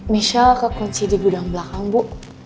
michelle kekunci di gudang belakang bu